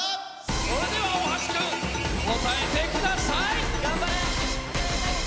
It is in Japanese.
それでは大橋君、答えてください。